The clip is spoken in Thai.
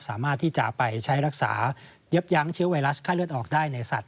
สามารถที่จะไปใช้รักษาเย็บยั้งเชื้อไวรัสไข้เลือดออกได้ในสัตว